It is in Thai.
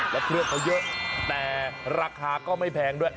และเครื่องมันจะเยอะเต่ราคาก็ไม่แพงด้วย